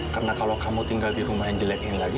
karena kalau kamu tinggal di rumah yang jelek ini lagi